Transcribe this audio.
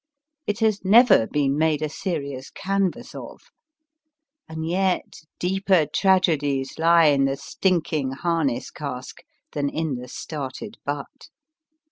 It has never been made a serious canvas of. And yet deeper tragedies lie in the stinking harness cask than in the started butt.